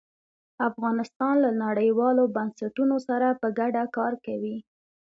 افغانستان له نړیوالو بنسټونو سره په ګډه کار کوي.